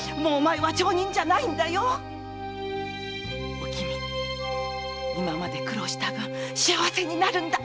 おきみ今まで苦労した分幸せになるんだ！